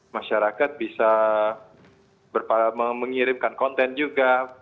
masyarakat bisa mengirimkan konten juga